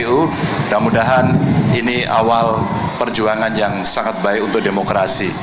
dan mudah mudahan ini awal perjuangan yang sangat baik untuk demokrasi